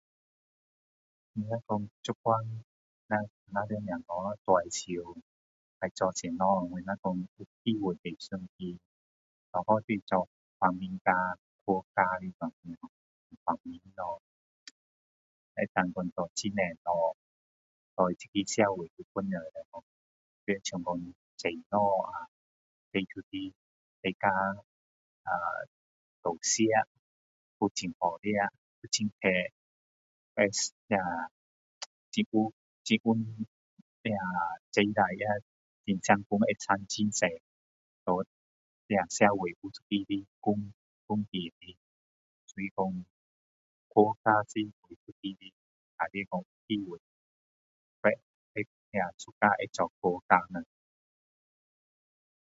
他们说现在在小孩长大过后要做什么我希望他好好的做为国家的东西可以说做很多东西对这个社会有帮助比如种东西变成大家到时吃有很好吃会会那个那个种下很成功会长很多给社会有一个方方便的所以说国家是很重要的所以说希望会suka 会做国家的人